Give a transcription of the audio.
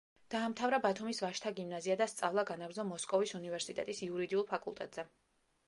დაამთავრა ბათუმის ვაჟთა გიმნაზია და სწავლა განაგრძო მოსკოვის უნივერსიტეტის იურიდიულ ფაკულტეტზე.